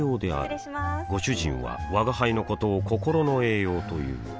失礼しまーすご主人は吾輩のことを心の栄養という